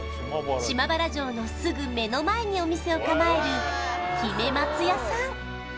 島原城のすぐ目の前にお店を構える姫松屋さん